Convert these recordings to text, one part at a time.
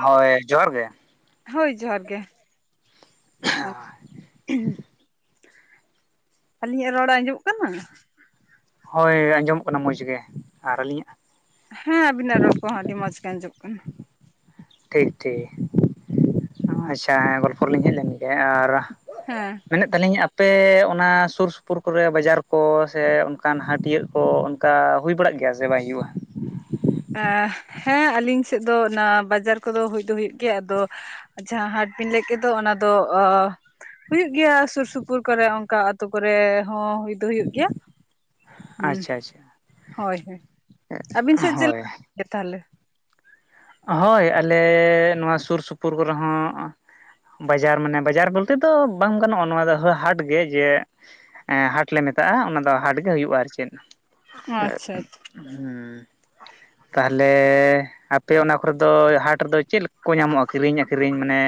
ᱦᱳᱭ ᱡᱚᱦᱟᱨ ᱜᱮ᱾ ᱦᱳᱭ ᱡᱚᱦᱟᱨ ᱜᱮ᱾ ᱟᱹᱞᱤᱧᱟᱜ ᱨᱚᱲ ᱟᱸᱡᱚᱢᱚᱜ ᱠᱟᱱᱟ? ᱦᱳᱭ ᱟᱸᱡᱚᱢᱚᱜ ᱠᱟᱱᱟ ᱢᱚᱡᱽ ᱜᱮ, ᱟᱨ ᱟᱹᱞᱤᱧᱟᱜ? ᱦᱮᱸ ᱟᱵᱤᱱᱟᱜ ᱨᱚᱲ ᱠᱚᱦᱚᱸ ᱟᱹᱰᱤ ᱢᱚᱸᱡᱽ ᱜᱮ ᱟᱸᱡᱚᱢᱚᱜ ᱠᱟᱱᱟ᱾ ᱴᱷᱤᱠ ᱴᱷᱤᱠ ᱟᱪᱪᱷᱟ ᱜᱚᱞᱯᱷᱚ ᱨᱤᱞᱤᱧ ᱦᱮᱡ ᱞᱮᱱ ᱜᱮ ᱟᱨ ᱦᱮᱸ ᱢᱮᱱᱮᱫ ᱛᱟᱹᱞᱤᱧ ᱟᱯᱮ ᱚᱱᱟ ᱥᱩᱨ ᱥᱩᱯᱩᱨ ᱠᱚᱨᱮ ᱵᱟᱡᱟᱨ ᱠᱚ ᱥᱮ ᱚᱱᱠᱟᱱ ᱦᱟᱴᱤᱭᱟᱹᱜ ᱠᱚ ᱚᱱᱠᱟ ᱦᱩᱭ ᱵᱟᱲᱟᱜ ᱜᱮᱭᱟ ᱥᱮ ᱵᱟᱭ ᱦᱩᱭᱩᱜᱼᱟ? ᱦᱮᱸ ᱟᱞᱤᱧ ᱥᱮᱫ ᱫᱚ ᱚᱱᱟ ᱵᱟᱡᱟᱨ ᱠᱚᱫᱚ ᱦᱩᱭ ᱫᱚ ᱦᱩᱭᱩᱜ ᱜᱮᱭᱟ ᱟᱫᱚ ᱟᱪᱪᱷᱟ ᱦᱟᱴ ᱵᱤᱱ ᱞᱟᱹᱭ ᱠᱮᱫ ᱫᱚ ᱚᱱᱟ ᱫᱚ ᱦᱩᱭᱩᱜ ᱜᱮᱭᱟ ᱥᱩᱨ ᱥᱩᱯᱩᱨ ᱠᱚᱨᱮ ᱚᱱᱠᱟ ᱟᱹᱛᱩ ᱠᱚᱨᱮ ᱦᱚᱸ ᱦᱩᱭ ᱫᱚ ᱦᱩᱭᱩᱜ ᱜᱮᱭᱟ᱾ ᱦᱩᱸ ᱟᱪᱪᱷᱟ ᱟᱪᱪᱷᱟ᱾ ᱦᱳᱭ ᱦᱳᱭ ᱟᱹᱵᱤᱱ ᱥᱮᱫ ᱪᱮᱫ ᱦᱳᱭ ᱞᱮᱠᱟ ᱛᱟᱦᱞᱮ? ᱦᱳᱭ ᱟᱞᱮ ᱱᱚᱣᱟ ᱥᱩᱨ ᱥᱩᱯᱩᱨ ᱠᱚᱨᱮ ᱦᱚᱸ᱾ ᱵᱟᱡᱟᱨ ᱢᱟᱱᱮ ᱵᱟᱡᱟᱨ ᱵᱚᱞᱛᱮ ᱫᱚ ᱵᱟᱝ ᱜᱟᱱᱚᱜᱼᱟ ᱱᱚᱣᱟ ᱫᱚ ᱦᱚ ᱦᱟᱴ ᱜᱮ ᱡᱮ ᱮ ᱦᱟᱴ ᱞᱮ ᱢᱮᱛᱟᱜᱼᱟ ᱚᱱᱟ ᱦᱟᱴ ᱜᱮ ᱦᱩᱭᱩᱜᱼᱟ ᱟᱨ ᱪᱮᱫ᱾ ᱟᱪᱪᱷᱟ ᱟᱪᱪᱷᱟ ᱾ ᱛᱟᱦᱚᱞᱮ ᱟᱯᱮ ᱚᱱᱟ ᱠᱚ ᱠᱚᱨᱮᱫᱚ ᱦᱟᱴ ᱨᱮᱫᱚ ᱪᱮᱫ ᱞᱮᱠᱟ ᱠᱚ ᱧᱟᱢᱚᱜᱼᱟ ᱠᱤᱨᱤᱧ ᱟᱠᱷᱨᱤᱧ ᱢᱟᱱᱮ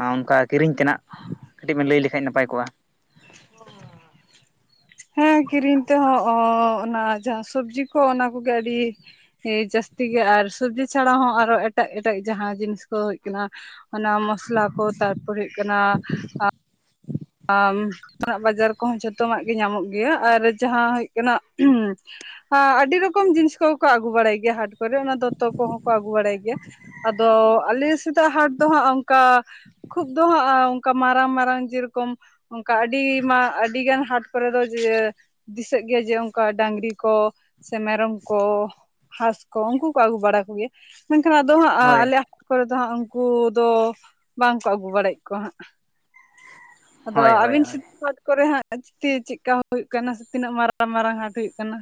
ᱟᱨ ᱚᱱᱠᱟ ᱠᱤᱨᱤᱧ ᱛᱮᱱᱟᱜ ᱠᱟᱹᱴᱤᱡ ᱵᱮᱱ ᱞᱟᱹᱭ ᱞᱮᱠᱷᱟᱡ ᱱᱟᱯᱟᱭ ᱠᱚᱜᱼᱟ ᱾ [inaudible] ᱦᱮᱸ ᱠᱤᱨᱤᱧ ᱛᱮᱦᱚᱸ ᱚᱱᱟ ᱡᱟᱦᱟᱸ ᱥᱚᱵᱡᱤ ᱠᱚ ᱚᱱᱟ ᱠᱚᱜᱮ ᱟᱹᱰᱤ ᱦᱮᱸ ᱡᱟᱹᱥᱛᱤ ᱜᱮ ᱟᱨ ᱥᱚᱵᱡᱤ ᱪᱷᱟᱲᱟ ᱦᱚᱸ ᱟᱨᱚ ᱮᱴᱟᱜ ᱮᱴᱟᱜ ᱡᱟᱦᱟᱸ ᱡᱤᱱᱤᱥ ᱠᱚ ᱦᱩᱭᱩᱜ ᱠᱟᱱᱟ ᱚᱱᱟ ᱢᱚᱥᱞᱟ ᱠᱚ ᱛᱟᱨᱯᱚᱨ ᱦᱩᱭᱩᱜ ᱠᱟᱱᱟ [inaudible] ᱱᱟᱜ ᱵᱟᱡᱟᱨ ᱠᱚᱦᱚᱸ ᱡᱷᱚᱛᱚ ᱱᱟᱜ ᱜᱮ ᱧᱟᱢᱚᱜ ᱜᱮᱭᱟ ᱟᱨ ᱡᱟᱦᱟᱸ ᱦᱩᱭᱩᱜ ᱠᱟᱱᱟ ᱟ ᱟᱹᱰᱤ ᱨᱚᱠᱚᱢ ᱡᱤᱱᱤᱥ ᱠᱚ ᱠᱚ ᱟᱹᱜᱩ ᱵᱟᱲᱟᱭ ᱜᱮᱭᱟ ᱦᱟᱴ ᱠᱚᱨᱮ ᱚᱱᱟ ᱫᱚᱛᱚ ᱠᱚᱦᱚᱸ ᱠᱚ ᱟᱹᱜᱩ ᱵᱟᱲᱟᱭ ᱜᱮᱭᱟ᱾ ᱟᱫᱚ ᱟᱞᱮ ᱥᱮᱛᱟᱜ ᱦᱟᱴ ᱫᱚ ᱦᱟᱸᱜ ᱚᱝᱠᱟ ᱠᱷᱩᱵ ᱫᱚ ᱦᱟᱸᱜᱼᱟ ᱚᱱᱠᱟ ᱢᱟᱨᱟᱝ ᱢᱟᱨᱟᱝ ᱡᱮᱨᱚ ᱠᱚᱢ ᱚᱝᱠᱟ ᱟᱹᱰᱤ ᱢᱟ ᱜᱟᱱ ᱦᱟᱴ ᱠᱚᱨᱮ ᱫᱚ ᱡᱮ ᱫᱤᱥᱟᱹᱜ ᱜᱮᱭᱟ ᱡᱮ ᱚᱱᱠᱟ ᱰᱟᱝᱨᱤ ᱠᱚ ᱥᱮ ᱢᱮᱨᱚᱢ ᱠᱚ ᱦᱟᱥ ᱠᱚ ᱩᱱᱠᱩ ᱠᱚ ᱟᱹᱜᱩ ᱵᱟᱲᱟ ᱠᱚᱜᱮᱭᱟ᱾ ᱢᱮᱱᱠᱷᱟᱱ ᱟᱫᱚ ᱦᱟᱸᱜ ᱦᱳᱭ ᱟᱞᱮ ᱟᱹᱛᱩ ᱠᱚᱨᱮ ᱫᱚ ᱦᱟᱸᱜ ᱩᱱᱠᱩ ᱫᱚ ᱵᱟᱝ ᱠᱚ ᱟᱹᱜᱩ ᱵᱟᱲᱟᱭᱮᱫ ᱠᱚᱣᱟ ᱦᱟᱸᱜ᱾ ᱟᱫᱚ ᱦᱳᱭ ᱦᱳᱭ ᱟᱹᱵᱤᱱ ᱦᱳᱭ ᱥᱮᱫ ᱦᱟᱴ ᱠᱚᱨᱮ ᱦᱟᱸᱜ ᱪᱤᱛᱤ ᱪᱮᱫᱠᱟ ᱦᱩᱭᱩᱜ ᱠᱟᱱᱟ ᱛᱤᱱᱟᱹᱜ ᱢᱟᱨᱟᱝ ᱢᱟᱨᱟᱝ ᱦᱟᱴ ᱦᱩᱭᱩᱜ ᱠᱟᱱᱟ?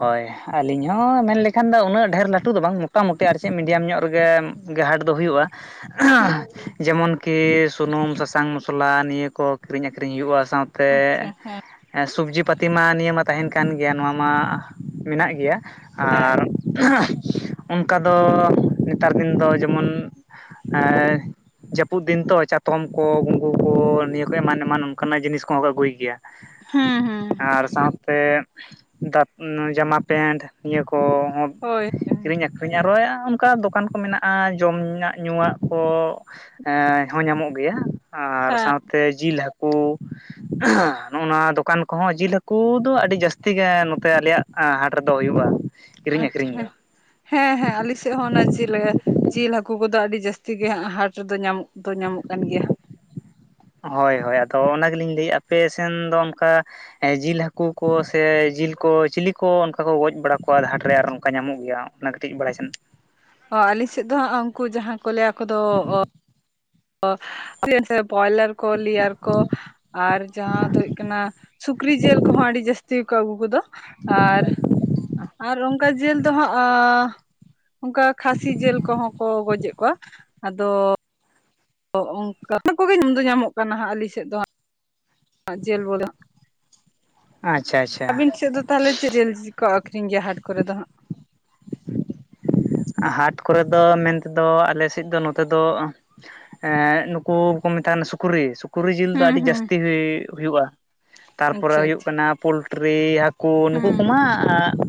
ᱦᱳᱭ ᱟᱹᱞᱤᱧ ᱦᱚ ᱢᱮᱱᱞᱠᱷᱟᱱ ᱫᱚ ᱩᱱᱟᱹᱜ ᱰᱷᱮᱨ ᱞᱟᱹᱴᱩ ᱫᱚ ᱵᱟᱝ ᱢᱚᱴᱟ-ᱢᱩᱴᱤ ᱟᱨ ᱪᱮᱫ ᱢᱤᱰᱤᱭᱟᱢ ᱧᱚᱜ ᱨᱮᱜᱮ ᱜᱮ ᱦᱟᱴ ᱫᱚ ᱦᱩᱭᱩᱜᱼᱟ, ᱡᱮᱢᱚᱱ ᱠᱤ ᱥᱩᱱᱩᱢ ᱥᱟᱥᱟᱝ ᱢᱚᱥᱞᱟ ᱱᱤᱭᱟᱹ ᱠᱚ ᱠᱤᱨᱤᱧ ᱟᱹᱠᱷᱨᱤᱧ ᱦᱩᱭᱩᱜᱼᱟ ᱥᱟᱶᱛᱮ ᱟᱪᱪᱷᱟ ᱮᱸ ᱥᱚᱵᱡᱤ ᱯᱟᱹᱛᱤ ᱢᱟ ᱱᱤᱭᱟᱹ ᱢᱟ ᱛᱟᱦᱮᱸᱱ ᱠᱟᱱ ᱜᱮᱭᱟ ᱱᱚᱣᱟ ᱢᱟ ᱢᱮᱱᱟᱜ ᱜᱮᱭᱟ᱾ ᱟᱨ ᱚᱱᱠᱟ ᱫᱚ ᱱᱮᱛᱟᱨ ᱫᱤᱱ ᱫᱚ ᱡᱮᱢᱚᱱ ᱮ ᱡᱟᱹᱯᱩᱫ ᱫᱤᱱ ᱛᱚ ᱪᱟᱛᱚᱢ ᱠᱚ ᱜᱩᱸᱜᱩ ᱠᱚ ᱱᱤᱭᱟᱹ ᱠᱚ ᱮᱢᱟᱱ ᱮᱢᱟᱱ ᱚᱱᱠᱟᱱᱟᱜ ᱡᱤᱱᱤᱥ ᱠᱚᱦᱚᱸ ᱠᱚ ᱟᱹᱜᱩᱭ ᱜᱮᱭᱟ᱾ ᱦᱩᱸ ᱦᱩᱸ᱾ ᱟᱨ ᱥᱟᱣᱛᱮ ᱩᱸ ᱡᱟᱢᱟ ᱯᱮᱱᱴ ᱱᱤᱭᱟᱹ ᱠᱚᱦᱚᱸ ᱦᱳᱭ ᱦᱮᱸ᱾ ᱟᱨᱚᱭᱟ ᱚᱱᱠᱟ ᱫᱚᱠᱟᱱ ᱠᱚ ᱢᱮᱱᱟᱜᱼᱟ ᱡᱚᱢᱟᱜ ᱧᱩᱣᱟᱜ ᱠᱚ ᱮᱸ ᱦᱚᱸ ᱧᱟᱢᱚᱜ ᱜᱮᱭᱟ ᱟᱨ ᱥᱟᱶᱛᱮ ᱡᱤᱞ ᱦᱟᱹᱠᱩ ᱱᱚᱜᱼᱚ ᱱᱚᱣᱟ ᱫᱚᱠᱟᱱ ᱠᱚᱦᱚᱸ ᱡᱤᱞ ᱦᱟᱹᱠᱩ ᱫᱚ ᱟᱹᱰᱤ ᱡᱟᱹᱥᱛᱤ ᱜᱮ ᱱᱚ ᱛᱮ ᱟᱞᱮᱭᱟᱜ ᱦᱟᱴ ᱨᱮᱫᱚ ᱦᱩᱭᱩᱜᱼᱟ᱾ ᱠᱤᱨᱤᱧ ᱟᱹᱠᱷᱨᱤᱧ ᱫᱚ ᱟᱪᱪᱷᱟ ᱦᱮᱸ ᱦᱮᱸ ᱟᱞ ᱥᱮᱫ ᱦᱚᱸ ᱚᱱᱟ ᱡᱮᱞ ᱮ ᱡᱤᱞ ᱦᱟᱹᱠᱩ ᱠᱚᱫᱚ ᱟᱹᱰᱤ ᱡᱟᱹᱟᱥᱛᱤ ᱜᱮ ᱦᱟᱸ ᱦᱟᱴ ᱨᱮᱫᱚ ᱧᱟᱢ ᱫᱚ ᱧᱟᱢᱚᱜ ᱠᱟᱱ ᱜᱮᱭᱟ ᱦᱟᱸᱜ᱾ ᱦᱳᱭ ᱦᱳᱭ ᱟᱫᱚ ᱚᱱᱟ ᱜᱮᱞᱤᱧ ᱞᱟᱹᱭᱮᱫ ᱟᱯᱮ ᱥᱮᱱ ᱫᱚ ᱚᱱᱠᱟ ᱮᱸ ᱡᱤᱞ ᱦᱟᱹᱠᱩ ᱠᱚ ᱥᱮ ᱡᱤᱞ ᱠᱚ ᱪᱤᱞᱤ ᱠᱚ ᱚᱱᱠᱟ ᱠᱚ ᱜᱚᱡ ᱵᱟᱲᱟ ᱠᱚᱣᱟ ᱦᱟᱷᱟᱴ ᱨᱮ ᱟᱨ ᱚᱱᱠᱟ ᱧᱟᱢᱚᱜ ᱜᱮᱭᱟ? ᱚᱱᱟ ᱠᱟᱹᱴᱤᱡ ᱵᱟᱲᱟᱭ ᱥᱟᱱᱟ ᱚ ᱟᱹᱞᱤᱧ ᱥᱮᱫ ᱫᱚ ᱦᱟᱸᱜ ᱩᱱᱠᱩ ᱡᱟᱦᱟᱸ ᱠᱚ ᱞᱟᱹᱭᱟ ᱠᱚᱫᱚ ᱚ [unintelligible] ᱵᱚᱭᱞᱟᱨ ᱠᱚ ᱞᱤᱭᱟᱨ ᱠᱚ ᱟᱨ ᱡᱟᱦᱟᱸ ᱫᱚ ᱦᱩᱭᱩᱜᱭ ᱠᱟᱱᱟ ᱥᱩᱠᱨᱤ ᱡᱤᱞ ᱠᱚᱦᱚᱸ ᱟᱹᱰᱤ ᱡᱟᱹᱟᱥᱛᱤ ᱠᱚ ᱟᱹᱜᱩ ᱠᱚᱫᱚ ᱟᱨ ᱟᱨ ᱚᱱᱠᱟ ᱡᱤᱞ ᱫᱚ ᱦᱟᱸᱜ ᱚᱱᱠᱟ ᱠᱷᱟᱹᱥᱤ ᱡᱤᱞ ᱠᱚᱦᱚᱸ ᱠᱚ ᱜᱚᱡᱮᱫ ᱠᱚᱣᱟ ᱟᱫᱚ ᱚᱱᱠᱟ ᱚᱱᱟ ᱠᱚᱜᱮ ᱧᱟᱢ ᱫᱚ ᱧᱟᱢᱚᱜ ᱠᱟᱱᱟ ᱦᱟᱸᱜ ᱟᱹᱞᱤᱧ ᱥᱮᱫ ᱫᱚ ᱦᱟᱸᱜ ᱡᱮᱞ ᱵᱚᱞᱮ᱾ ᱟᱪᱪᱷᱟ ᱟᱪᱪᱷᱟ ᱟᱹᱵᱤᱱ ᱥᱮᱫ ᱫᱚ ᱛᱟᱦᱚᱞᱮ ᱪᱮᱫ ᱡᱤᱞ ᱠᱚ ᱟᱠᱷᱨᱤᱧ ᱜᱮᱭᱟ ᱦᱟᱴ ᱠᱚᱨᱮ ᱫᱚ ᱦᱟᱸᱜ? ᱦᱟᱴ ᱠᱚᱨᱮ ᱫᱚ ᱢᱮᱱᱛᱮ ᱫᱚ ᱟᱞᱮ ᱥᱮᱫ ᱫᱚ ᱱᱚᱛᱮ ᱫᱚ ᱮᱸᱜ ᱱᱩᱠᱩ ᱠᱚ ᱢᱮᱛᱟᱜ ᱠᱟᱱᱟ ᱥᱩᱠᱨᱤ ᱥᱩᱠ ᱩᱠᱨᱤ ᱡᱤᱞ ᱫᱚ ᱦᱩᱸ ᱟᱹᱰᱤ ᱦᱩᱸ ᱡᱟᱹᱥᱛᱤ ᱦᱩᱭᱩᱜᱼᱟ ᱛᱟᱨᱯᱚᱨᱮ ᱟᱪᱪᱷᱟ ᱦᱩᱭᱩᱜ ᱟᱪᱪᱷᱟ ᱠᱟᱱᱟ ᱯᱚᱞᱴᱨᱤ ᱦᱟᱹ ᱠᱩ ᱱᱩᱠᱩ ᱦᱩᱸ ᱠᱚᱢᱟ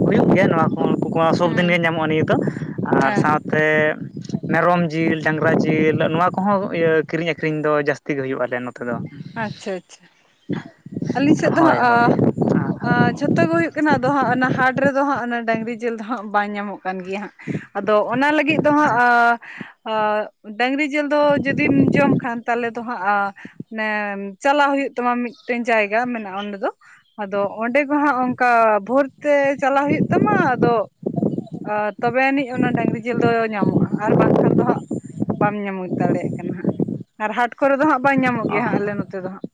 ᱦᱩᱭᱩᱜ ᱜᱮᱭᱟ ᱱᱚᱣᱟ ᱠᱚ ᱱᱩᱠᱩ ᱠᱚᱣᱟ ᱥᱚᱵ ᱦᱩᱸ ᱫᱤᱱᱜᱮ ᱧᱟᱢᱚᱜᱼᱟ ᱱᱤᱭᱟᱹ ᱫᱚ ᱾ ᱟᱨ ᱦᱮᱸ ᱥᱟᱶ ᱛᱮ ᱢᱮᱨᱚᱢ ᱡᱤᱞ ᱰᱟᱝᱨᱟ ᱡᱤᱞ ᱱᱚᱣᱟ ᱠᱚᱦᱚᱸ ᱤᱭᱟᱹ ᱠᱤᱨᱤᱧ ᱟᱹᱠᱷᱨᱤᱧ ᱫᱚ ᱡᱟᱹᱥ ᱛᱤ ᱜᱮ ᱦᱩᱭᱩᱜᱼᱟ ᱟᱞᱮ ᱱᱚᱛᱮ ᱫᱚ ᱾ ᱟᱪᱪᱷᱟ ᱟᱪᱪᱷᱟ, ᱟᱹᱞᱤᱧ ᱥᱮᱫ ᱫᱚ ᱦᱳᱭ ᱦᱟᱸᱜ ᱦᱳᱭ ᱟᱦᱻ ᱟᱪᱪᱷᱟ ᱟᱻ ᱡᱷᱚᱛᱚ ᱜᱮ ᱦᱩᱭᱩᱜ ᱠᱟᱱᱟ ᱟᱫᱚ ᱦᱟᱸᱜ ᱚᱱᱟ ᱦᱟᱴ ᱨᱮᱫᱚ ᱦᱟᱸᱜ ᱚᱱᱟ ᱰᱟᱝᱨᱤ ᱡᱮᱞ ᱫᱚ ᱦᱟᱸᱜ ᱵᱟᱝ ᱧᱟᱢᱚᱜ ᱠᱟᱱ ᱜᱮᱭᱟ ᱦᱟᱸᱜ ᱾ ᱟᱫᱚ ᱚᱱᱟ ᱞᱟᱹᱜᱤᱫ ᱫᱚ ᱦᱟᱸᱜ ᱟᱻ ᱟᱻ ᱰᱟᱝᱨᱤ ᱡᱤᱞ ᱫᱚ ᱡᱩᱫᱤᱢ ᱡᱚᱢ ᱠᱷᱟᱱ ᱛᱟᱞᱮ ᱫᱚ ᱦᱟᱸᱜ ᱟ ᱱᱮᱢ ᱪᱟᱞᱟᱜ ᱦᱩᱭᱩᱜ ᱛᱟᱢᱟ ᱢᱤᱫᱴᱮᱱ ᱡᱟᱭᱜᱟ ᱢᱮᱱᱟᱜᱼᱟ ᱚᱸᱰᱮ ᱫᱚ ᱟᱫᱚ ᱚᱸᱰᱮ ᱠᱚ ᱦᱟᱸᱜ ᱚᱱᱠᱟ ᱵᱷᱳᱨ ᱛᱮ ᱪᱟᱞᱟᱜ ᱦᱩᱭᱩᱜ ᱛᱟᱢᱟ ᱟᱫᱚ ᱟᱻ ᱛᱚᱵᱮ ᱟᱹᱱᱤᱡ ᱚᱱᱟ ᱰᱟᱹᱝᱨᱤ ᱡᱤᱞ ᱫᱚ ᱧᱟᱢᱚᱜᱼᱟ ᱟᱨ ᱵᱟᱝᱠᱷᱟᱱ ᱫᱚ ᱦᱟᱸᱜ ᱵᱟᱢ ᱧᱟᱢ ᱫᱟᱲᱮᱜ᱾ ᱮᱱ ᱦᱟᱸᱜ ᱟᱨ ᱦᱟᱴ ᱠᱚᱨᱮ ᱫᱚ ᱦᱟᱸᱜ ᱵᱟᱝ ᱧᱟᱢᱚᱜ ᱜᱮᱭᱟ ᱦᱟᱸᱜ ᱟᱞᱮ ᱱᱚᱛᱮ ᱫᱚ ᱦᱟᱸᱜ ᱾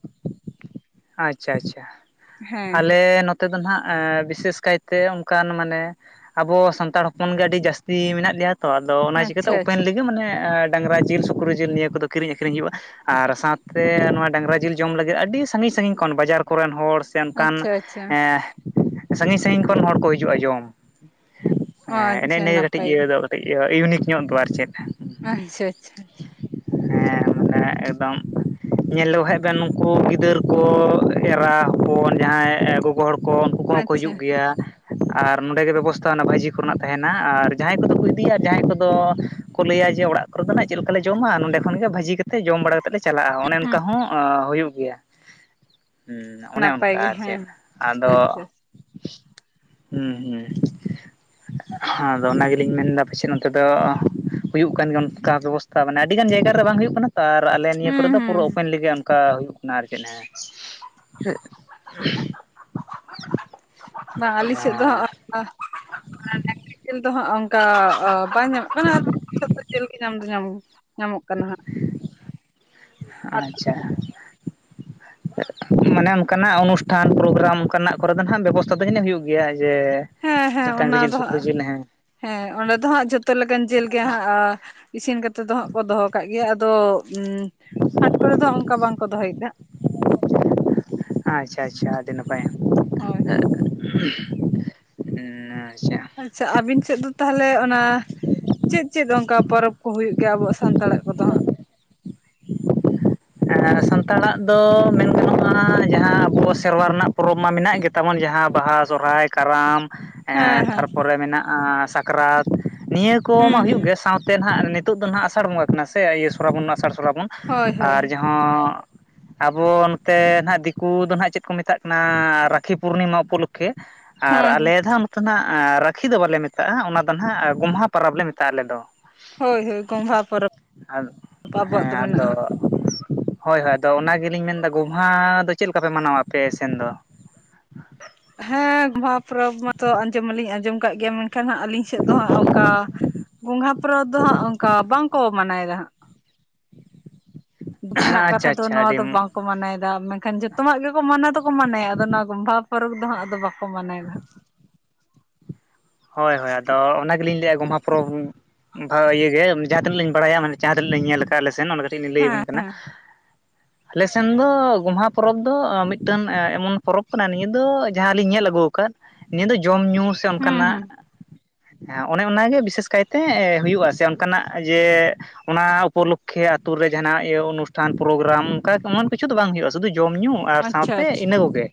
ᱟᱪᱪᱷᱟ ᱟᱪᱪᱷᱟ, ᱦᱮᱸ ᱟᱞᱮ ᱱᱚᱛ ᱱᱚᱛᱮ ᱫᱚ ᱱᱟᱸᱜ ᱮᱻ ᱵᱤᱥᱮᱥ ᱠᱟᱭᱛᱮ ᱚᱱᱠᱟᱱ ᱢᱟᱱᱮ ᱟᱵᱚ ᱥᱟᱱᱛᱟᱲ ᱦᱚᱯᱚᱱ ᱜᱮ ᱟᱹᱰᱤ ᱡᱟᱹᱥᱛᱤ ᱢᱮᱱᱟᱜ ᱞᱮᱭᱟ ᱛᱚ ᱟᱫᱚ ᱚᱱᱟ ᱪᱤᱠᱟᱹᱛᱮ ᱟᱪᱪᱷᱟ ᱟᱪᱪᱷᱟ ᱳᱯᱮᱱᱞᱤ ᱜᱮ ᱢᱟᱱᱮ ᱰᱟᱝᱨᱟ ᱡᱤᱞ ᱥᱩᱠᱨᱤ ᱡᱤᱞ ᱱᱤᱭᱟᱹ ᱠᱚᱫᱚ ᱠᱤᱨᱤᱧ ᱟᱹᱠᱷᱨᱤᱧ ᱦᱩᱭᱩᱜᱼᱟ ᱟᱨ ᱥᱟᱶᱛᱮ ᱱᱚᱣᱟ ᱰᱟᱝᱨᱟ ᱡᱤᱞ ᱡᱚᱢ ᱞᱟᱹᱜᱤᱫ ᱟᱹᱰᱤᱥ ᱥᱟᱺᱜᱤᱧ ᱥᱟᱺᱜᱤᱧ ᱠᱷᱚᱱ ᱵᱟᱡᱟᱨ ᱠᱚᱨᱮᱱ ᱦᱚᱲ ᱥᱮ ᱚᱱᱠᱟᱱ ᱟᱪᱪᱷᱟ ᱟᱪᱪᱷᱟ ᱮᱸ ᱥᱟᱺᱜᱤᱧ ᱥᱟᱺᱜᱤᱧ ᱠᱷᱚᱱ ᱦᱚᱲ ᱠᱚ ᱦᱤᱡᱩᱜᱼᱟ ᱡᱚᱢ ᱮ ᱮᱱᱮ ᱟᱪᱪᱷᱟ ᱮᱱᱮ ᱜᱮ ᱠᱟᱹᱴᱤᱡ ᱱᱟᱯᱟᱭ ᱤᱭᱟᱹ ᱫᱚ᱾ ᱤᱭᱟᱹ ᱤᱭᱩᱱᱤᱠ ᱧᱚᱜ ᱫᱚ ᱟᱨ ᱪᱮᱫ? ᱟᱪᱪᱷᱟ ᱪᱷᱟ ᱪᱷᱟ᱾ ᱦᱮᱸ ᱢᱟᱱᱮ ᱮᱠᱫᱚᱢ ᱧᱮᱞ ᱞᱮᱠᱚ ᱠᱷᱟᱡ ᱵᱮᱱ ᱱᱩᱠᱩ ᱜᱤᱫᱟᱹᱨ ᱠᱚ ᱮᱨᱟ ᱦᱚᱯᱚᱱ ᱡᱟᱦᱟᱸᱭ ᱜᱚᱜᱚ ᱦᱚᱲ ᱠᱚ ᱩᱱᱠᱩ ᱠᱚᱦᱚᱸ ᱠᱚ ᱟᱪᱪᱷᱟ ᱦᱤᱡᱩᱜ ᱜᱮᱭᱟ, ᱟᱨ ᱱᱚᱸᱰᱮ ᱜᱮ ᱵᱮᱵᱚᱥᱛᱷᱟ ᱚᱱᱟ ᱵᱷᱟᱹᱡᱤ ᱠᱚᱨᱮᱱᱟᱜ ᱛᱟᱦᱮᱱᱟ ᱟᱨ ᱡᱟᱦᱟᱸᱭ ᱠᱚᱫᱚ ᱠᱚ ᱤᱫᱤᱭᱟ ᱡᱟᱦᱟᱸᱭ ᱠᱚᱫᱚ ᱠᱚ ᱞᱟᱹᱭᱟ ᱡᱮ ᱚᱲᱟᱜ ᱠᱚᱨᱮ ᱫᱚ ᱱᱟᱜ ᱪᱮᱫ ᱞᱮᱠᱟ ᱞᱮ ᱡᱚᱢᱟ ᱱᱚᱸᱰᱮ ᱠᱷᱚᱱ ᱜᱮ ᱵᱷᱟᱹᱡᱤ ᱠᱟᱛᱮᱫ ᱡᱚᱢ ᱵᱟᱲᱟ ᱠᱟᱛᱮᱫ ᱞᱮ ᱪᱟᱞᱟᱜᱼᱟ ᱚᱱᱮ ᱚᱱᱠᱟ ᱦᱚᱸ ᱚᱻ ᱦᱩᱭᱩᱜ ᱜᱮᱭᱟ᱾ ᱦᱩᱸ ᱚᱱᱮ ᱱᱟᱯᱟᱭ ᱚᱱᱠᱟ ᱜᱮ ᱟᱨ ᱦᱮᱸ ᱪᱮᱫ ᱟᱫᱚ ᱟᱪᱪᱷᱟ ᱦᱩᱸ ᱦᱩᱸ ᱦᱚᱸ ᱟᱫᱚ ᱚᱱᱟ ᱜᱮᱞᱤᱧ ᱢᱮᱱᱫᱟ ᱯᱟᱪᱮᱫ ᱱᱚᱛᱮ ᱫᱚ ᱦᱩᱭᱩᱜ ᱠᱟᱱ ᱜᱮᱭᱟ ᱚᱱᱠᱟ ᱵᱮᱵᱚᱥᱛᱷᱟ ᱢᱟᱱᱮ ᱟᱹᱰᱤ ᱜᱟᱱ ᱡᱟᱭᱜᱟ ᱨᱮ ᱵᱟᱝ ᱦᱩᱭᱩᱜ ᱠᱟᱱᱟ᱾ ᱟᱨ ᱟᱞᱮ ᱱᱤᱭᱟᱹ ᱠᱚᱨᱮ ᱦᱩᱸ ᱫᱚ ᱯᱩᱨᱟᱹ ᱦᱩᱸ ᱳᱯᱮᱱᱞᱤ ᱜᱮ ᱚᱱᱠᱟ ᱦᱩᱭᱩᱜ ᱠᱟᱱᱟ ᱟᱨ [unintelligible] ᱵᱟ ᱟᱞᱮ ᱥᱮᱫ ᱫᱚ ᱚ ᱦᱟᱸᱜ ᱟᱨ ᱰᱟᱝᱨᱤ ᱡᱮᱞ ᱫᱚ ᱦᱟᱸᱜ ᱚᱱᱠᱟ ᱵᱟᱝ ᱧᱟᱢᱚᱜ ᱠᱟᱱᱟ [unintelligible] ᱡᱮᱞ ᱜᱮ ᱧᱟᱢ ᱫᱚ ᱧᱟᱢᱚᱜᱚᱜ ᱠᱟᱱᱟ᱾ ᱧᱟᱢᱚᱜ ᱠᱟᱱᱟ ᱦᱟᱸᱜ᱾ ᱟᱪᱪᱷᱟ ᱢᱟᱱᱮ ᱚᱱᱠᱟᱱᱟᱜ ᱚᱱᱩᱥᱴᱷᱟᱱ ᱯᱨᱳᱜᱨᱟᱢ ᱚᱱᱠᱟᱱᱟᱜ ᱠᱚᱨᱮ ᱫᱚ ᱱᱟᱜ ᱵᱮᱵᱚᱥᱛᱷᱟ ᱫᱚ ᱡᱟᱹᱱᱤᱡ ᱦᱩᱭᱩᱜ ᱜᱮᱭᱟ ᱡᱮ, ᱦᱮᱸ ᱦᱮᱸ ᱰᱟᱝᱨᱤ ᱚᱱᱟ ᱡᱤᱞ ᱫᱚ ᱥᱩᱠᱨᱤ ᱦᱟᱸᱜ ᱡᱤᱞ ᱦᱮᱸ᱾ ᱦᱮᱸ ᱚᱸᱰᱮ ᱫᱚ ᱦᱟᱸᱜ ᱡᱷᱚᱛᱚ ᱞᱮᱠᱟᱱ ᱡᱤᱞ ᱜᱮ ᱦᱟᱸᱜ ᱟ ᱤᱥᱤᱱ ᱠᱟᱛᱮ ᱫᱚ ᱦᱟᱸᱜ ᱠᱚ ᱫᱚᱦᱚ ᱠᱟᱜ ᱜᱮᱭᱟ ᱟᱫᱚ ᱩᱸᱻ ᱦᱟᱴ ᱠᱚᱨᱮ ᱫᱚ ᱚᱱᱠᱟ ᱵᱟᱝᱠᱚ ᱫᱚᱦᱚᱭ ᱫᱟ᱾ ᱟᱪᱪᱷᱟ ᱟᱪᱪᱷᱟ ᱟᱹᱰᱤ ᱱᱟᱯᱟᱭ᱾ ᱦᱚᱭ [unintelligible] ᱩᱸ ᱟᱪᱪᱷᱟ᱾ ᱟᱪᱪᱷᱟ ᱟᱵᱤᱱ ᱥᱮᱫ ᱫᱚ ᱛᱟᱞᱦᱮ ᱚᱱᱟ ᱪᱮᱫ ᱪᱮᱫ ᱚᱱᱠᱟ ᱯᱚᱨᱚᱵᱽ ᱠᱚ ᱦᱩᱭᱩᱜ ᱜᱮᱭᱟ ᱟᱵᱚᱣᱟᱜ ᱥᱟᱱᱛᱟᱲᱟᱜ ᱠᱚᱫᱚ ᱦᱟᱸᱜ? ᱮᱸ ᱥᱟᱱᱛᱟᱲᱟᱜ ᱫᱚ ᱢᱮᱱ ᱜᱟᱱᱚᱜᱼᱟ ᱡᱟᱦᱟᱸ ᱟᱵᱚ ᱥᱮᱨᱣᱟ ᱨᱮᱱᱟᱜ ᱯᱚᱨᱚᱵᱽ ᱢᱟ ᱢᱮᱱᱟᱜ ᱜᱮ ᱛᱟᱵᱚᱱ ᱡᱟᱦᱟᱸ ᱵᱟᱦᱟ, ᱥᱚᱨᱦᱟᱭ, ᱠᱟᱨᱟᱢ ᱮᱸᱻ ᱦᱮᱸ ᱦᱮᱸ ᱛᱟᱨᱯᱚᱨᱮ ᱢᱮᱱᱟᱜᱼᱟ ᱥᱟᱠᱨᱟᱛ ᱱᱤᱭᱟᱹ ᱠᱚᱻᱢᱟ ᱦᱩᱸ ᱦᱩᱭᱩᱜ ᱦᱩᱸ ᱜᱮ ᱥᱟᱶᱛᱮ ᱱᱟᱦᱟᱜ ᱱᱮ ᱱᱤᱛᱚᱜ ᱫᱚ ᱱᱟᱦᱟᱜ ᱟᱥᱟᱲ ᱵᱚᱸᱜᱟ ᱠᱟᱱᱟ ᱥᱮ ᱤᱭᱟᱹ ᱥᱚᱨᱟᱵᱚᱱ ᱟᱥᱟᱲ ᱥᱨᱟᱵᱚᱱ ᱦᱳᱭ, ᱦᱳᱭ, ᱦᱳᱭ᱾ ᱦᱚᱸᱻ ᱟᱵᱚ ᱱᱚᱛᱮ ᱱᱟᱦᱟᱸᱜ ᱫᱤᱠᱩ ᱫᱚ ᱱᱟᱦᱟᱸᱜ ᱪᱮᱫ ᱠᱚ ᱢᱮᱛᱟᱜ ᱠᱟᱱᱟᱻ ᱨᱟᱠᱷᱤ ᱯᱩᱨᱱᱤᱢᱟ ᱩᱯᱚᱞᱚᱠᱠᱷᱮ ᱾ ᱟᱨ ᱦᱳᱭ ᱟᱞᱮ ᱫᱷᱟᱣ ᱱᱚᱛᱮ ᱱᱟᱜ ᱨᱟᱠᱷᱤ ᱫᱚ ᱵᱟᱞᱮ ᱢᱮᱛᱟᱜᱼᱟ, ᱚᱱᱟ ᱫᱚ ᱱᱟᱦᱟᱜ ᱜᱚᱢᱦᱟ ᱯᱟᱨᱟᱵᱽ ᱞᱮ ᱢᱮᱛᱟᱜᱼᱟ ᱟᱞᱮ ᱫᱚ ᱾ ᱦᱳᱭ, ᱦᱳᱭ ᱜᱚᱢᱜᱷᱟ ᱯᱚᱨᱚᱵᱽ ᱟᱵᱚᱣᱟᱜ ᱦᱮᱸ ᱫᱚ ᱢᱮᱱᱟᱜᱼᱟ ᱟᱫᱚ ᱦᱟᱸᱜ ᱾ ᱦᱳᱭ, ᱦᱳᱭ ᱟᱫᱚ ᱚᱱᱟᱜᱤᱞᱤᱧ ᱢᱮᱱᱫᱟ ᱜᱚᱢᱦᱟ ᱫᱚ ᱪᱮᱫ ᱞᱮᱠᱟ ᱯᱮ ᱢᱟᱱᱟᱣᱟ ᱟᱯᱮ ᱥᱮᱱ ᱫᱚ? ᱦᱮᱸ ᱜᱚᱢᱦᱟ ᱯᱚᱨᱚᱵᱽ ᱢᱟᱛᱚ ᱟᱸᱡᱚᱢ ᱢᱟᱞᱤᱧ ᱟᱸᱡᱚᱢ ᱠᱟᱜ ᱜᱮᱭᱟ ᱢᱮᱱ ᱠᱷᱟᱱ ᱦᱟᱸᱜ ᱟᱹᱞᱤᱧ ᱥᱮᱫ ᱫᱚ ᱦᱟᱸᱜ ᱚᱝᱠᱟ ᱜᱚᱢᱦᱟ ᱯᱚᱨᱚᱵᱽ ᱫᱚ ᱦᱟᱸᱜ ᱚᱝᱠᱟ ᱵᱟᱝᱠᱚ ᱢᱟᱱᱟᱭ ᱫᱟ ᱦᱟᱸᱜ ᱾ ᱫᱩᱠ ᱨᱮᱱᱟᱜ ᱠᱟᱛᱷᱟ ᱟᱪᱪᱷᱟ ᱫᱚ ᱟᱪᱪᱷᱟ ᱱᱚᱣᱟ ᱟᱹᱰᱤ ᱫᱚ ᱵᱟᱝ ᱠᱚ ᱢᱟᱱᱟᱭᱫᱟ ᱢᱮᱱᱠᱷᱟᱱ ᱡᱚᱛᱚᱣᱟᱜ ᱜᱮᱠᱚ ᱢᱟᱱᱟ ᱫᱚᱠᱚ ᱢᱟᱱᱟᱭᱟ ᱟᱫᱚ ᱱᱚᱣᱟ ᱜᱚᱢᱵᱷᱟ ᱯᱚᱨᱚᱵᱽ ᱫᱚ ᱦᱟᱸᱜ ᱟᱫᱚ ᱵᱟᱠᱚ ᱢᱟᱱᱟᱣᱮᱫᱟ ᱦᱟᱸᱜ ᱾ ᱦᱳᱭ, ᱦᱳᱭ ᱟᱫᱚ ᱚᱱᱟ ᱜᱤᱞᱤᱧ ᱞᱮᱭᱟ ᱜᱚᱢᱦᱟ ᱯᱚᱨᱚᱵᱽ ᱵᱷᱟᱹ ᱤᱭᱟᱹ ᱜᱮ ᱡᱟᱦᱟᱸ ᱛᱤᱱᱟᱹᱜ ᱞᱤᱧ ᱵᱟᱲᱟᱭᱟ ᱢᱟᱱᱮ ᱡᱟᱦᱟᱸ ᱛᱤᱱᱟᱹᱜ ᱞᱤᱧ ᱧᱮᱞ ᱠᱟ ᱠᱟ ᱟᱞᱮᱥᱮᱱ ᱚᱱᱟ ᱠᱟᱹᱴᱤᱡ ᱞᱤᱧ ᱞᱟᱹᱭᱵᱮᱱ ᱦᱮᱸ ᱠᱟᱱᱟ, ᱦᱮᱸ ᱟᱞᱮ ᱥᱮᱱ ᱫᱚ ᱜᱚᱢᱦᱟ ᱯᱚᱨᱚᱵᱽ ᱫᱚ ᱢᱤᱫᱴᱟᱝ ᱮᱢᱚᱱ ᱯᱚᱨᱚᱵᱽ ᱠᱟᱱᱟ ᱱᱤᱭᱟᱹ ᱫᱚ ᱡᱟᱦᱟᱸᱞᱤᱧ ᱧᱮᱞ ᱟᱹᱜᱩ ᱟᱠᱟᱫ, ᱱᱤᱭᱟᱹ ᱫᱚ ᱡᱚᱢ ᱧᱩ ᱥᱮ ᱦᱩᱸ ᱚᱱᱠᱟᱱᱟᱜ ᱦᱩᱸ ᱦᱮᱸ, ᱚᱱᱮ ᱚᱱᱟᱜᱮ ᱵᱤᱥᱮᱥ ᱠᱟᱭᱛᱮ ᱦᱩᱭᱩᱜᱼᱟ ᱥᱮ ᱚᱝᱠᱟᱱᱟᱜ ᱡᱮ ᱚᱱᱟ ᱩᱯᱚᱞᱚᱠᱠᱷᱮ ᱟᱛᱩ ᱨᱮ ᱡᱟᱦᱟᱱᱟᱜ ᱤᱭᱟᱹ ᱚᱱᱩᱥᱴᱷᱟᱱ ᱯᱨᱳᱜᱨᱟᱢ ᱚᱱᱠᱟ ᱮᱢᱚᱱ ᱠᱤᱪᱷᱩ ᱫᱚ ᱵᱟᱝ ᱦᱩᱭᱩᱜᱼᱟ ᱥᱩᱫᱩ ᱡᱚᱢ ᱧᱩ ᱾ ᱟᱨ ᱟᱪᱪᱷᱟ ᱥᱟᱶᱛᱮ ᱟᱪᱪᱷᱟ ᱤᱱᱟᱹ ᱠᱚᱜᱮ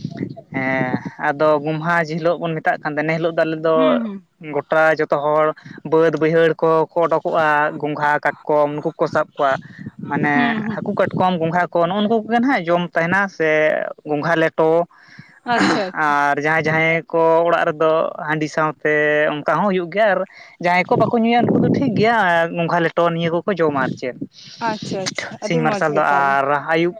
᱾ ᱦᱮᱸ, ᱟᱫᱚ ᱜᱚᱢᱦᱟ ᱡᱮ ᱦᱤᱞᱳᱜ ᱵᱚᱱ ᱢᱮᱛᱟᱜ ᱠᱟᱱᱛᱮ ᱱᱮ ᱦᱤᱞᱳᱜ ᱛᱟᱦᱚᱞᱮ ᱦᱩᱸ ᱫᱚ ᱦᱩᱸ ᱜᱚᱴᱟ ᱡᱚᱛᱚ ᱦᱚᱲ ᱵᱟᱹᱫᱽ ᱵᱟᱹᱭᱦᱟᱹᱲ ᱠᱚ ᱠᱚ ᱚᱰᱳᱠᱚᱜᱼᱟ ᱜᱚᱝᱜᱷᱟ ᱠᱟᱴᱠᱚᱢ ᱱᱩᱠᱩ ᱠᱚ ᱥᱟᱵ ᱠᱚᱣᱟ ᱢᱟᱱᱮ ᱦᱩᱸ ᱦᱩᱸ ᱦᱟᱹᱠᱩ ᱠᱟᱴᱠᱚᱢ ᱜᱚᱸᱜᱷᱟ ᱠᱚ ᱱᱚᱜᱼᱚ ᱱᱩᱠᱩ ᱠᱚᱜᱮ ᱱᱟᱦᱟᱜ ᱡᱚᱢ ᱛᱟᱦᱮᱱᱟ ᱥᱮ ᱜᱚᱝᱜᱷᱟ ᱞᱮᱴᱚ ᱾ ᱟᱪᱪᱷᱟ, ᱟᱪᱪᱷᱟ᱾ ᱟᱨ ᱡᱟᱦᱟᱸᱭ ᱡᱟᱦᱟᱸᱭ ᱠᱚ ᱚᱲᱟᱜ ᱨᱮᱫᱚ ᱦᱟᱺᱰᱤ ᱥᱟᱶᱛᱮ ᱚᱝᱠᱟ ᱦᱚᱸ ᱦᱩᱭᱩᱜ ᱜᱮᱭᱟ, ᱟᱨ ᱡᱟᱦᱟᱸᱭ ᱠᱚ ᱵᱟᱠᱚ ᱧᱩᱭᱟ ᱱᱩᱠᱩ ᱫᱚ ᱴᱷᱤᱠ ᱜᱮᱭᱟ, ᱜᱚᱝᱜᱷᱟ ᱞᱮᱴᱚ ᱱᱤᱭᱟᱹ ᱠᱚᱠᱚ ᱡᱚᱢᱟ ᱟᱨ ᱪᱮᱫ? ᱟᱪᱪᱷᱟ ᱟᱪᱪᱷᱟ ᱟᱹᱰᱤ ᱥᱤᱧ ᱢᱚᱸᱡᱽ ᱢᱟᱨᱥᱟᱞ ᱫᱚ ᱜᱮ ᱛᱟᱦᱚᱞᱮ ᱟᱨ ᱟᱹᱭᱩᱵ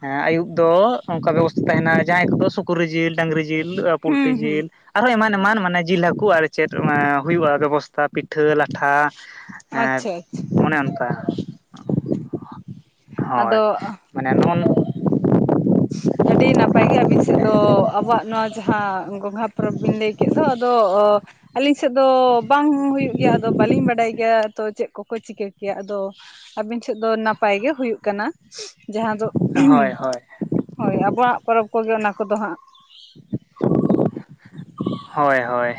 ᱦᱮᱸ, ᱟᱭᱩᱵ ᱫᱚ ᱚᱝᱠᱟ ᱵᱮᱵᱚᱥᱛᱟ ᱛᱟᱦᱮᱱᱟ ᱡᱟᱦᱟᱸᱭ ᱠᱚᱫᱚ ᱥᱩ ᱥᱩᱠᱨᱤ ᱡᱤᱞ, ᱰᱟᱹᱝᱨᱤ ᱡᱤᱞ ᱟᱨ ᱯᱩᱞᱴᱤ ᱦᱩᱸ ᱦᱩᱸ ᱡᱤᱞ ᱟᱨᱦᱚᱸ ᱮᱢᱟᱱ ᱮᱢᱟᱱ ᱢᱟᱱᱮ ᱡᱤᱞ ᱦᱟᱹᱠᱩ ᱟᱨ ᱪᱮᱫ ᱚᱱᱟ ᱦᱩᱭᱩᱜᱼᱟ ᱵᱮᱵᱚᱥᱛᱷᱟ ᱯᱤ ᱯᱤᱴᱷᱟᱹ ᱞᱟᱴᱷᱟ ᱟᱪᱪᱷᱟ ᱟᱪᱪᱷᱟ ᱮᱸᱻᱚᱱᱮ ᱚᱱᱠᱟ ᱾ ᱦᱳᱭ, ᱟᱫᱚ ᱢᱟᱱᱮ ᱱᱚᱜᱼᱚ [inaudible] ᱟᱹᱰᱤ ᱱᱟᱯᱟᱭ ᱜᱮ ᱟᱹᱵᱤᱱ ᱥᱮᱫ ᱫᱚ ᱟᱵᱚᱣᱟᱜ ᱱᱚᱣᱟ ᱡᱟᱦᱟᱸ ᱜᱚᱢᱦᱟ ᱯᱚᱨᱚᱵᱽ ᱵᱤᱱ ᱞᱮᱭ ᱠᱮᱫ ᱫᱚ ᱟᱫᱚᱻᱚ ᱟᱹᱞᱤᱧ ᱥᱮᱫ ᱫᱚ ᱵᱟᱝ ᱦᱩᱭᱩᱜ ᱜᱮᱭᱟ ᱟᱫᱚ ᱵᱟᱹᱞᱤᱧ ᱵᱟᱰᱟᱭ ᱜᱮᱭᱟ ᱛᱚ ᱪᱮᱜ ᱠᱚᱠᱚ ᱪᱤᱠᱟᱹ ᱠᱮᱭᱟ ᱟᱫᱚ ᱟᱹᱵᱤᱱ ᱥᱮᱫ ᱫᱚ ᱱᱟᱯᱟᱭ ᱜᱮ ᱦᱩᱭᱩᱜ ᱠᱟᱱᱟ, ᱡᱟᱦᱟᱸ ᱫᱚ ᱦᱳᱭ, ᱦᱳᱭ᱾ ᱦᱳᱭ, ᱟᱵᱚᱣᱟᱜ ᱯᱚᱨᱚᱵᱽ ᱠᱚᱜᱮ ᱚᱱᱟ ᱠᱚᱫᱚ ᱦᱟᱸᱜ ᱾ ᱦᱳᱭ, ᱦᱳᱭ᱾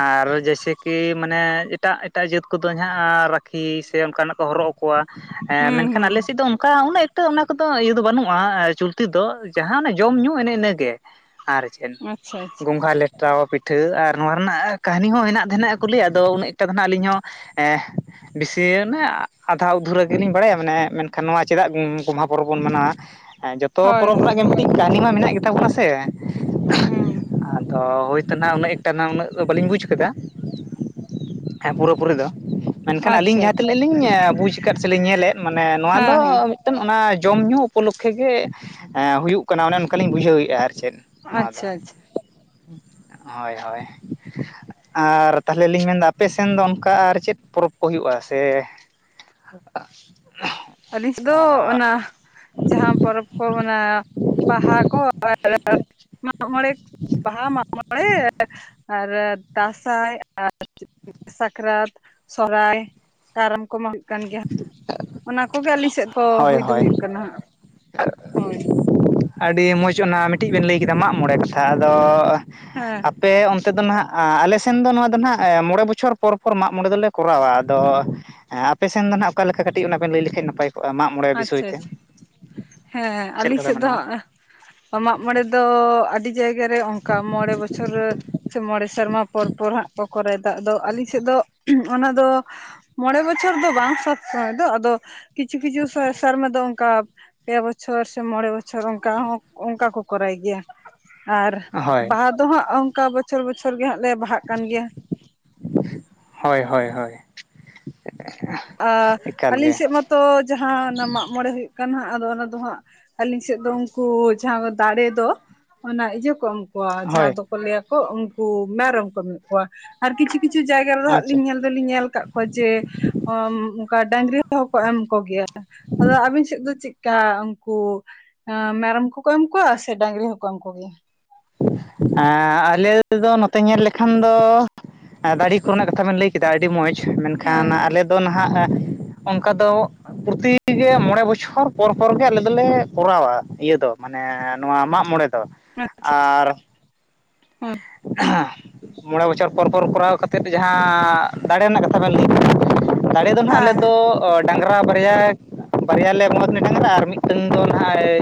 ᱟᱨ ᱡᱮᱭᱥᱮ ᱠᱤ ᱢᱟᱱᱮ ᱮᱴᱟᱜ ᱮᱴᱟᱜ ᱡᱟᱹᱛ ᱠᱚᱫᱚ ᱦᱮᱱᱟᱜ ᱨᱟᱠᱷᱤ ᱥᱮ ᱚᱱᱠᱟᱱᱟᱜ ᱠᱚ ᱦᱚᱨᱚᱜ ᱠᱚᱣᱟ, ᱮᱻ ᱦᱩᱸ ᱢᱮᱱᱠᱷᱟᱱ ᱦᱩᱸ ᱟᱞᱮ ᱥᱮᱫ ᱫᱚ ᱚᱝᱠᱟ ᱩᱱᱟᱹᱜ ᱮᱠ ᱮᱠᱴᱟᱹ ᱚᱱᱟ ᱠᱚᱫᱚ ᱤᱭᱟᱹ ᱫᱚ ᱵᱟᱹᱱᱩᱜᱼᱟ, ᱪᱩᱞᱛᱤ ᱫᱚ ᱡᱟᱦᱟᱸ ᱚᱱᱮ ᱡᱚᱢ ᱧᱩ ᱮᱱᱮ ᱤᱱᱟᱹᱜᱮ ᱾ ᱟᱨ ᱪᱮᱫ ᱟᱪᱪᱷᱟ ᱟᱪᱪᱷᱟ ᱜᱚᱝᱜᱷᱟ ᱞᱮ ᱴᱟᱣ, ᱯᱤᱴᱷᱟᱹ ᱟᱨ ᱱᱚᱣᱟ ᱨᱮᱱᱟᱜ ᱠᱟᱹᱦᱱᱤ ᱦᱚᱸ ᱦᱮᱱᱟᱜ ᱫᱚ ᱦᱮᱱᱟᱜ ᱜᱮᱠᱚ ᱞᱟᱹᱭᱟ ᱟᱫᱚ ᱩᱱᱟᱜ ᱮᱠᱴᱟ ᱫᱚ ᱱᱟᱦᱟᱜ ᱟᱹᱞᱤᱧ ᱦᱚᱸ ᱦᱮ ᱵᱤᱥᱤ ᱚᱱᱮ ᱟᱫᱷᱟ ᱩᱫᱷᱩᱨᱟᱹ ᱜᱤᱞᱤᱧ ᱵᱟᱲᱟᱭᱟ ᱢᱟᱱᱮ ᱢᱮᱱᱠᱷᱟᱱ ᱱᱚᱣᱟ ᱪᱮᱫᱟᱜ ᱜᱚᱢ-ᱜᱚᱢᱦᱟ ᱯᱚᱨᱚᱵᱽ ᱵᱚᱱ ᱢᱟᱱᱟᱣᱟ? ᱡᱚᱛᱚ ᱦᱳᱭ ᱯᱚᱨᱚᱵᱽ ᱨᱮᱱᱟᱜ ᱦᱳᱭ ᱜᱮ ᱢᱤᱫᱴᱤᱡ ᱠᱟᱹᱦᱱᱤ ᱢᱟ ᱢᱮᱱᱟᱜ ᱜᱮ ᱛᱟᱵᱚᱱᱟ ᱥᱮ ᱾ ᱦᱩᱸ᱾ ᱛᱚ ᱦᱩᱭᱛᱚ ᱱᱟᱦᱟᱜ ᱩᱱᱟᱹᱜ ᱮᱠᱴᱟ ᱱᱟᱜ ᱩᱱᱟᱹᱜ ᱫᱚ ᱵᱟᱹᱞᱤᱧ ᱵᱩᱡᱽ ᱠᱟᱫᱟ, ᱦᱮᱸ ᱯᱩᱨᱟᱹ ᱯᱩᱨᱤ ᱫᱚ᱾ ᱢᱮᱱᱠᱷᱟᱱ ᱟᱞᱤᱧ ᱟᱪᱪᱷᱟ ᱡᱟᱦᱟᱸ ᱟᱪᱪᱷᱟ ᱛᱤᱱᱟᱹᱜ ᱞᱤᱧ ᱵᱩᱡᱽ ᱟᱠᱟᱫ ᱥᱮ ᱞᱤᱧ ᱧᱮᱞᱮᱫ, ᱢᱟᱱᱮ ᱱᱚᱣᱟ ᱦᱮᱸ ᱫᱚ ᱦᱮᱸ ᱛᱮᱢ ᱚᱱᱟ ᱡᱚᱢ ᱧᱩ ᱩᱯᱚᱞᱚᱠᱠᱷᱮ ᱜᱮ ᱮᱸ ᱦᱩᱭᱩᱜ ᱠᱟᱱᱟ᱾ ᱚᱱᱮ ᱚᱱᱠᱟᱞᱤᱧ ᱵᱩᱡᱷᱟᱹᱣᱮᱜᱼᱟ ᱟᱨ ᱪᱮᱫ᱾ ᱱᱚᱣᱟ ᱟᱪᱪᱷᱟ ᱫᱚ ᱟᱪᱪᱷᱟ ᱾ ᱦᱳᱭ ᱦᱳᱭ ᱾ ᱟᱨ ᱛᱟᱦᱚᱞᱮ ᱞᱤᱧ ᱢᱮᱱᱫᱟ ᱟᱯᱮ ᱥᱮᱱ ᱫᱚ ᱚᱱᱠᱟ ᱟᱨ ᱪᱮᱫ ᱯᱚᱨᱚᱵᱽ ᱠᱚ ᱦᱩᱭᱩᱜᱼᱟ ᱥᱮ [inaudible] ᱟᱞᱤᱧ ᱥᱮᱫ ᱫᱚ ᱚᱱᱟ ᱡᱟᱦᱟᱸ ᱯᱚᱨᱚᱵᱽ ᱠᱚ ᱢᱮᱱᱟᱜᱼᱟ, ᱵᱟᱦᱟ ᱠᱚ ᱟᱨ ᱢᱟᱜ ᱢᱚᱬᱮ᱾ ᱵᱟᱦᱟ, ᱢᱟᱜ ᱢᱚᱬᱮ, ᱟᱨ ᱫᱟᱥᱟᱣ ᱟᱨ ᱪᱮᱜ ᱥᱟᱠᱨᱟᱛ, ᱥᱚᱨᱦᱟᱭ, ᱠᱟᱨᱟᱢ ᱠᱚᱢᱟ ᱦᱩᱭᱩᱜ ᱠᱟᱱ ᱜᱮᱭᱟ ᱾ ᱚᱱᱟ ᱠᱚᱜᱮ ᱟᱹᱞᱤᱧ ᱥᱮᱫ ᱫᱚ ᱦᱳᱭ ᱦᱩᱭ ᱫᱚ ᱦᱳᱭ ᱦᱩᱭᱩᱜ ᱠᱟᱱᱟ ᱦᱟᱸᱜ, ᱦᱳᱭ᱾ ᱟᱰᱤ ᱢᱚᱡᱽ ᱚᱱᱟ ᱢᱤᱜᱴᱤᱡ ᱵᱮᱱ ᱞᱟᱹᱭ ᱠᱮᱫᱟ ᱢᱟᱜ ᱢᱚᱬᱮ ᱠᱟᱛᱷᱟ᱾ ᱟᱫᱚ ᱦᱮᱸ ᱟᱯ ᱯᱮ ᱚᱱᱛᱮ ᱫᱚ ᱱᱟᱦᱟᱜ ᱟᱞᱮ ᱥᱮᱱ ᱫᱚ ᱱᱚᱣᱟ ᱫᱚ ᱱᱟᱦᱟᱜ ᱢᱚᱬᱮ ᱵᱚᱪᱷᱚᱨ ᱯᱚᱨ ᱯᱚᱨ ᱢᱟᱜ ᱢᱚᱬᱮ ᱫᱚᱞᱮ ᱠᱚᱨᱟᱣᱟ, ᱟᱫᱚ ᱟᱯᱮ ᱥᱮᱱ ᱫᱚ ᱱᱟᱦᱟᱜ ᱚᱠᱟ ᱞᱮᱠᱟ ᱠᱟᱴᱤᱡ ᱚᱱᱟ ᱵᱮᱱ ᱞᱮᱹᱭ ᱞᱮᱠᱷᱟᱡ ᱱᱟᱯᱟᱭ ᱠᱚᱜᱼᱟ, ᱢᱟᱜ ᱢᱚᱬᱮ ᱵᱤᱥᱚᱭ ᱟᱪᱪᱷᱟ ᱛᱮ ᱟᱪᱪᱷᱟ, ᱦᱮᱸ ᱪᱮᱫ ᱟᱞᱤᱧ ᱞᱮᱠᱟ ᱯᱮ ᱥᱮᱫ ᱫᱚ ᱢᱟᱱᱟᱣᱟ ᱦᱟᱸᱜ ᱢᱟᱜ ᱢᱚᱬᱮ ᱫᱚ ᱟᱰᱤ ᱡᱟᱭᱜᱟ ᱨᱮ ᱚᱝᱠᱟ ᱢᱚᱬᱮ ᱵᱚᱪᱷᱚᱨ ᱥᱮ ᱢᱚᱬᱮ ᱥᱮᱨᱢᱟ ᱯᱚᱨ ᱯᱚᱨ ᱦᱟᱸᱜ ᱠᱚ ᱠᱚᱨᱟᱭᱮᱫᱟ ᱾ ᱟᱫᱚ ᱟᱞᱤᱧ ᱥᱮᱫ ᱫᱚ ᱚᱱᱟ ᱫᱚ, ᱢᱚᱬᱮ ᱵᱚᱪᱷᱚᱨ ᱫᱚ ᱵᱟᱝ ᱥᱚᱵ ᱥᱚᱢᱚᱭ ᱫᱚ ᱟᱫᱚ ᱠᱤᱪᱷᱩ ᱠᱤᱪᱷᱩ [inaudible] ᱥᱟᱨᱢᱟ ᱫᱚ ᱚᱝᱠᱟ ᱯᱮ ᱵᱚᱪᱷᱚᱨ ᱥᱮ ᱢᱚᱬᱮ ᱵᱚᱪᱷᱚᱨ ᱚᱝᱠᱟ ᱦᱚᱸ ᱚᱝᱠᱟ ᱠᱚ ᱠᱚᱨᱟᱭ ᱜᱮᱭᱟ ᱾ ᱟᱨ ᱦᱳᱭ ᱵᱟᱦᱟ ᱫᱚ ᱦᱟᱸᱜ ᱚᱝᱠᱟ ᱵᱚᱪᱷᱚᱨ ᱵᱚᱪᱷᱚᱨ ᱜᱮ ᱦᱟᱸᱜ ᱞᱮ ᱵᱟᱦᱟᱜ ᱠᱟᱱ ᱜᱮᱭᱟ ᱾ ᱦᱚᱭ ᱦᱚᱭ ᱦᱚᱭ ᱾ ᱟᱻ ᱟᱞᱤᱧ ᱜᱮ ᱥᱮᱫ ᱢᱟᱛᱚ ᱡᱟᱦᱟᱸ ᱚᱱᱟ ᱢᱟᱜ ᱢᱚᱬᱮ ᱦᱩᱭᱩᱜ ᱠᱟᱱ ᱦᱟᱸᱜ ᱟᱫᱚ ᱚᱱᱟ ᱫᱚ ᱦᱟᱸᱜ ᱟᱞᱤᱧ ᱥᱮᱫ ᱫᱚ ᱩᱝᱠᱩ ᱡᱟᱦᱟᱸ ᱫᱟᱲᱮ ᱫᱚ, ᱚᱱᱟ ᱤᱡᱟᱹ ᱠᱚ ᱮᱢ ᱠᱚᱣᱟ, ᱦᱳᱭ ᱡᱟᱦᱟᱸ ᱫᱚᱠᱚ ᱞᱟᱹᱭᱟ ᱠᱚ ᱩᱱᱠᱩ ᱢᱮᱨᱚᱢ ᱠᱚ ᱮᱢᱮᱫ ᱠᱚᱣᱟ ᱾ ᱟᱨ ᱠᱤᱪᱷᱩ ᱠᱤᱪᱷᱩ ᱡᱟᱭᱜᱟ ᱨᱮᱫᱚ ᱦᱟᱸᱜ ᱟᱪᱪᱷᱟ ᱞᱤᱧ ᱧᱮᱞ ᱟᱫᱚ ᱞᱤᱧ ᱧᱮᱞ ᱠᱟᱜ ᱠᱚᱣᱟ ᱡᱮ ᱚᱸᱻᱢ ᱚᱝᱠᱟ ᱰᱟᱝᱜᱽᱨᱤ ᱦᱚᱸ ᱠᱚ ᱮᱢ ᱠᱚ ᱜᱮᱭᱟ ᱾ ᱟᱫᱚ ᱟᱵᱤᱱ ᱥᱮᱫ ᱫᱚ ᱪᱤᱜ ᱠᱟ ᱩᱝᱠᱩ ᱮᱸ ᱢᱮᱨᱚᱢ ᱠᱚᱠᱚ ᱮᱢ ᱠᱚᱣᱟ ᱥᱮ ᱰᱟᱝᱜᱽᱨᱤ ᱦᱚᱸ ᱠᱚ ᱮᱢ ᱠᱚ ᱜᱮᱭᱟ? ᱮᱸᱻ ᱟᱞᱮ [inaudible] ᱫᱚ ᱱᱚᱛᱮ ᱧᱮᱞ ᱞᱮᱠᱷᱟᱱ ᱫᱚ ᱫᱟᱲᱤ ᱠᱚ ᱨᱮᱱᱟᱜ ᱠᱟᱛᱷᱟ ᱵᱮᱱ ᱞᱮᱹᱭ ᱠᱮᱫᱟ ᱟᱰᱤ ᱢᱚᱸᱡᱽ ᱦᱮᱸ ᱢᱮᱱᱠᱷᱟᱱ ᱦᱮᱸ ᱟᱞᱮ ᱛᱚ ᱱᱟᱦᱟᱜ ᱚᱝᱠᱟ ᱫᱚ ᱯᱨᱚᱛᱤ [inaudible] ᱢᱚᱬᱮ ᱵᱚᱪᱷᱚᱨ ᱯᱚᱨ ᱯᱚᱨ ᱜᱮ ᱟᱞᱮ ᱫᱚᱞᱮ ᱠᱚᱨᱟᱣᱟ ᱤᱭᱟᱹ ᱫᱚ ᱢᱟ ᱱᱮᱻ ᱱᱚᱣᱟ ᱢᱟᱜ ᱢᱚᱬᱮ ᱫᱚ ᱾ [inaudible] ᱟᱨ ᱦᱩᱸ᱾ [inaudible] ᱢᱚᱬᱮ ᱵᱚᱪᱷᱚᱨ ᱯᱚᱨ ᱯᱚᱨ ᱠᱚᱨᱟᱣ ᱠᱟᱛᱮᱫ ᱡᱟᱦᱟᱸᱻ ᱫᱟᱬᱮ ᱨᱮᱱᱟᱜ ᱠᱟᱛᱷᱟ ᱵᱮᱱ ᱞᱟᱹᱭ [inaudible] ᱫᱟᱬᱮ ᱫᱚ ᱱᱟᱦᱟᱜ ᱟᱞᱮ ᱦᱮᱸ ᱦᱮᱸ ᱫᱚᱻ ᱰᱟᱝᱜᱽᱨᱟ ᱵᱟᱨᱭᱟ, ᱵᱟᱨᱭᱟ ᱞᱮ ᱵᱚᱸᱜᱟ ᱠᱤᱱᱟ ᱰᱟᱝᱜᱽᱨᱟ ᱟᱨ ᱢᱤᱫ ᱴᱟᱹᱝ ᱫᱚ ᱱᱟᱦᱟᱜ ᱮᱭ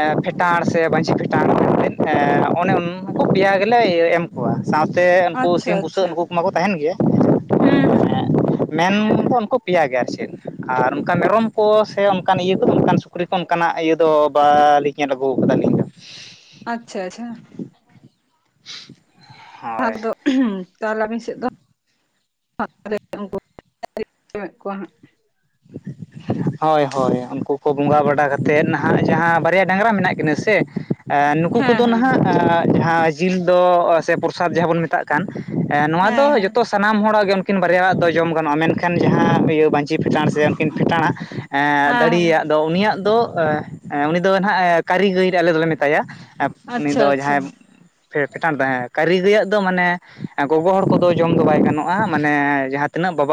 ᱮᱸᱻ ᱯᱷᱮᱴᱟᱬ ᱥᱮ ᱵᱟᱸᱡᱷᱤ ᱯᱷᱮᱴᱟᱬ [inaudible] ᱨᱤᱱ ᱮᱸᱻ ᱚᱱᱮ ᱩᱱᱠᱩ ᱯᱮᱭᱟ ᱜᱮ ᱞᱮ ᱤᱭᱟᱹ ᱮᱢ ᱣᱟ ᱥᱟᱶᱛᱮ ᱩᱱᱠᱩ ᱟᱪᱪᱷᱟ ᱥᱤᱢ ᱵᱩᱥᱟᱹᱜ, ᱟᱪᱪᱷᱟ ᱱᱩᱠᱩ ᱠᱚᱢᱟᱠᱚ ᱛᱟᱦᱮᱱ ᱜᱮᱭᱟ ᱦᱩᱸ ᱦᱩᱸ ᱾ᱮ ᱢᱮᱱᱫᱚ ᱩᱱᱠᱩ ᱯᱮᱭᱟ ᱜᱮ ᱟᱨ ᱪᱮᱫ, ᱟᱨ ᱚᱱᱠᱟ ᱢᱮᱨᱚᱢ ᱠᱚ ᱥᱮ ᱚᱱᱠᱟᱱ ᱤᱭᱟᱹ ᱚᱱᱠᱟᱱ ᱥᱩ ᱠᱩᱨᱤ ᱠᱚ ᱚᱱᱠᱟᱱᱟᱜ ᱤᱭᱟᱹ ᱫᱚ ᱵᱟᱻᱞᱤᱧ ᱧᱮᱞ ᱟᱹᱜᱩ ᱠᱟᱫᱟ ᱟᱞᱤᱧ ᱫᱚ᱾ ᱟᱪᱪᱷᱟ ᱟᱪᱪᱷᱟ ᱾ [unintelligible] ᱦᱳᱭ ᱯᱷᱟᱸᱠ ᱫᱚ ᱩᱸᱦᱩᱸ ᱛᱟᱦᱚᱞᱮ ᱟᱹᱵᱤᱱ ᱥᱮᱫ ᱫ [inaudible] ᱦᱟᱸᱜ [unintelligible] ᱦᱳᱭ ᱦᱳᱭ, ᱩᱱᱠᱩ ᱠᱚ ᱵᱚᱸᱜᱟ ᱵᱟᱲᱟ ᱠᱟᱛᱮᱱ ᱱᱟᱦᱟᱜ, ᱡᱟᱦᱟᱸ ᱵᱟᱨᱭᱟ ᱰᱟᱝᱨᱟ ᱢᱮᱱᱟᱜ ᱠᱤᱱᱟᱹ ᱥᱮ ᱟᱸ ᱱᱩᱠᱩ ᱦᱟᱸᱜ ᱠᱚᱫᱚ ᱦᱮᱸ ᱱᱟᱦᱟᱜ ᱟᱸ ᱡᱟᱦᱟᱸ ᱡᱤᱞ ᱫᱚ, ᱥᱮ ᱯᱨᱚᱥᱟᱫᱽ ᱡᱟᱦᱟᱸ ᱵᱚᱱ ᱢᱮᱛᱟᱜ ᱠᱟᱱ, ᱮ ᱱᱚᱣᱟ ᱫᱚ ᱦᱮᱸ ᱦᱮᱸ ᱦᱮᱸ ᱡᱚᱛᱚ ᱥᱟᱱᱟᱢ ᱦᱚᱲᱟᱜ ᱜᱮ ᱩᱱᱠᱤᱱ ᱵᱟᱨᱭᱟᱣᱟᱜ ᱫᱚ ᱡᱚᱢ ᱜᱟᱱᱚᱜᱼᱟ, ᱢᱮᱱᱠᱷᱟᱱ ᱡᱟᱦᱟᱸ ᱤᱭᱟᱹ ᱵᱟᱹᱧᱪᱷᱤ ᱪᱟᱨᱥ ᱥᱮ ᱩᱱᱠᱤᱱ ᱯᱷᱮᱴᱟᱬᱟ ᱮᱸᱻ ᱦᱮᱸ ᱫᱟᱲᱤᱭᱟᱜ ᱦᱮᱸ ᱫᱚ ᱩᱱᱤᱭᱟᱜ ᱫᱚ ᱮ ᱮ ᱩᱱᱤ ᱫᱚᱱ ᱦᱟᱸᱜ, ᱠᱟᱹᱨᱤᱜᱟᱹᱭ ᱟᱞᱮ ᱫᱚᱞᱮ ᱢᱮᱛᱟᱭᱟ, ᱩᱱᱤ ᱟᱪᱪᱷᱟ ᱫᱚ ᱟᱪᱪᱷᱟ ᱡᱟᱦᱟᱸᱭ ᱯᱷᱮ ᱯᱷᱮᱴᱟᱱ ᱦᱮᱸ ᱠᱟᱹᱨᱤ ᱜᱟᱹᱭᱟᱜ ᱫᱚ ᱢᱟᱱᱮ ᱜᱚᱜᱚ ᱦᱚᱲ ᱠᱚᱫᱚ ᱡᱚᱢ ᱫᱚ ᱵᱟᱭ ᱜᱟᱱᱚᱜᱼᱟ, ᱢᱟᱱᱮ ᱡᱟᱦᱟᱸ ᱛᱤᱱᱟᱹᱜ ᱵᱟᱵᱟ